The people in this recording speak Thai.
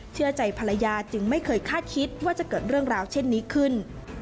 เชื่อใจภรรยาจึงไม่เคยคาดคิดว่าจะเกิดเรื่องราวเช่นนี้ขึ้น